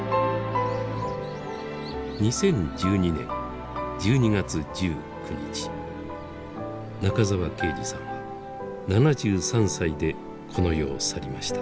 ２０１２年１２月１９日中沢啓治さんは７３歳でこの世を去りました。